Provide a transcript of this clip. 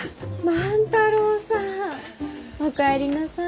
万太郎さん！お帰りなさい。